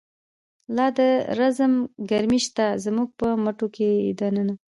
لا د رزم گرمی شته ده، زمونږ په مټو کی د ننه